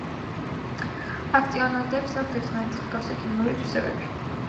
აქტინოიდებს აქვთ ერთმანეთის მსგავსი ქიმიური თვისებები.